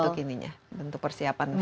apa bentuk ininya bentuk persiapan fisiknya